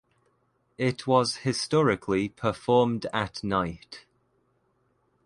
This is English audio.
It was historically performed at night.